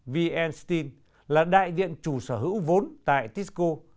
vn steel là đại diện chủ sở hữu vốn tại tisco